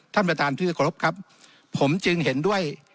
ท่านประตานพิกฤษครบผมจึงเห็นด้วย